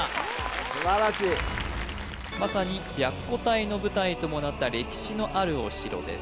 素晴らしいまさに白虎隊の舞台ともなった歴史のあるお城です